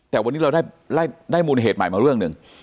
แต่วันนี้เราได้มูลเหตุใหม่มาเรื่องหนึ่ง